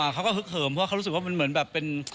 ฮึกเหิมเพราะเขารู้สึกว่ามันเหมือนแบบเป็น